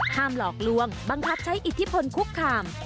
หลอกลวงบังคับใช้อิทธิพลคุกคาม